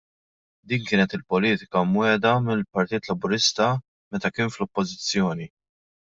Din kienet il-politika mwiegħda mill-Partit Laburista meta kien fl-oppożizzjoni.